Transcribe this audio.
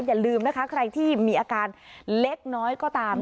อย่าลืมนะคะใครที่มีอาการเล็กน้อยก็ตาม